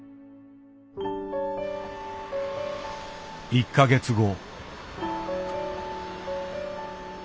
１か月後。